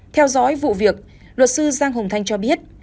theo dõi vụ việc luật sư giang hồng thanh cho biết